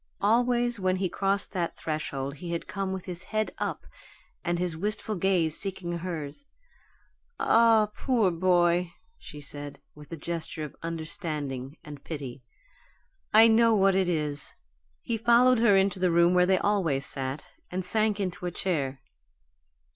Always when he crossed that threshold he had come with his head up and his wistful gaze seeking hers. "Ah, poor boy!" she said, with a gesture of understanding and pity. "I know what it is!" He followed her into the room where they always sat, and sank into a chair.